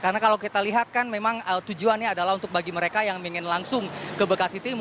karena kalau kita lihat kan memang tujuannya adalah untuk bagi mereka yang ingin langsung ke bekasiti